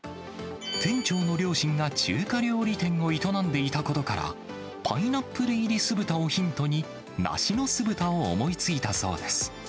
店長の両親が中華料理店を営んでいたことから、パイナップル入り酢豚をヒントに、梨の酢豚を思いついたそうです。